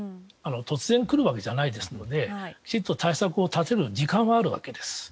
突然来るわけではないのできちんと対策を立てる時間はあるわけです。